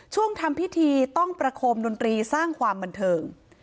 ทำพิธีต้องประโคมดนตรีสร้างความบันเทิง